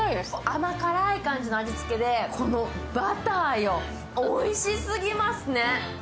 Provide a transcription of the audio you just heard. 甘辛い感じの味付けで、このバターよ、おいしすぎますね。